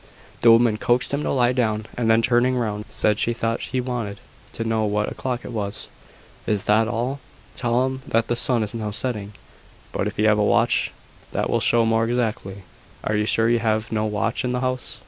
The woman coaxed him to lie down, and then turning round, said she thought he wanted to know what o'clock it was. "Is that all? Tell him that the sun is now setting. But if you have a watch, that will show more exactly. Are you sure you have no watch in the house?"